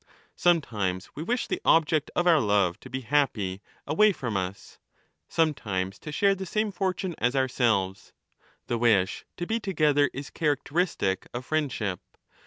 Sometimes we wish the object of our love to be happy away from us, sometimes to share the same fortune as ourselves ; the wish to be together is characteristic of friend ship.